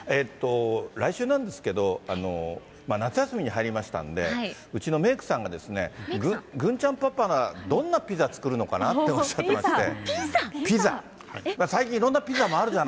来週なんですけど、夏休みに入りましたんで、うちのメークさんが、郡ちゃんパパならどんなピザを作るのかなっておっしゃってまして。